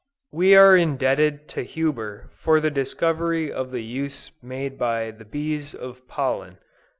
We are indebted to Huber for the discovery of the use made by the bees of pollen.